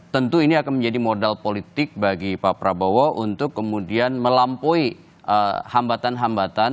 tentu ini akan menjadi modal politik bagi pak prabowo untuk kemudian melampaui hambatan hambatan